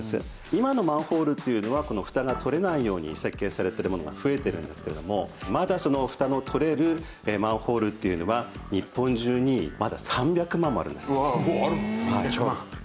今のマンホールっていうのは蓋が取れないように設計されているものが増えてるんですけれどもまだ蓋の取れるマンホールっていうのは日本中にまだ３００万もあるんです。